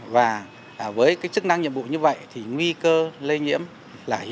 và với chức năng nhiệm vụ như vậy thì nguy cơ lây nhiễm là hiện hữu